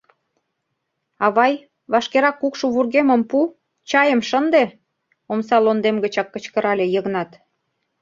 — Авай, вашкерак кукшо вургемым пу, чайым шынде! — омса лондем гычак кычкырале Йыгнат.